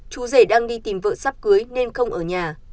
chú rể đang đi tìm vợ sắp cưới nên không ở nhà